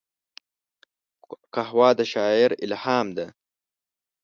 قهوه د شاعر الهام ده